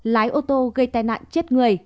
lái ô tô gây tai nạn chết người